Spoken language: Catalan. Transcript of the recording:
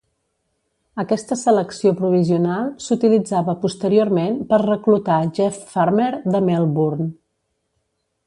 Aquesta selecció provisional s"utilitzava posteriorment per reclutar Jeff Farmer de Melbourne.